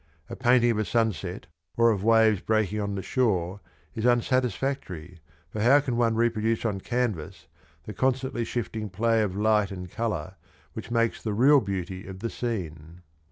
A painting of a sunset or of waves breaking on the shore is unsatisfactory, for how can one reproduce on canvas the constantly shifting play of light and colour which makes the real beauty of the scene?